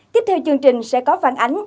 tiếp theo chương trình sẽ có văn ánh